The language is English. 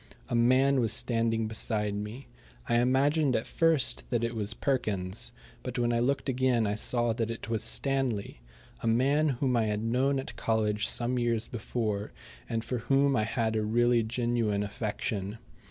A man was standing beside me. I imagined at first that it was Perkins, but when I looked again I saw that it was Stanley, a man whom I had known at college some years before, and for whom I had a really genuine affection.